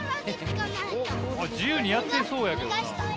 自由にやってそうやけどな。